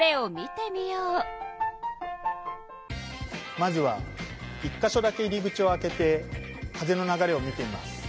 まずは１か所だけ入り口を開けて風の流れを見てみます。